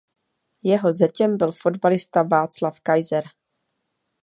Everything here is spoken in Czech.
Jeho zetěm byl fotbalista Václav Kaiser.